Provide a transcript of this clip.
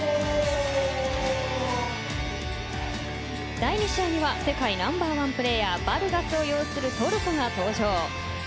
第２試合には世界ナンバー１プレーヤーバルガスを擁するトルコが登場。